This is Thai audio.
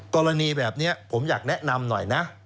กรณีแบบนี้ผมอยากแนะนำหน่อยนะ